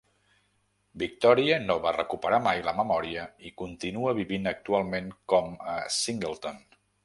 Victoria no va recuperar mai la memòria i continua vivint actualment com a Singleton.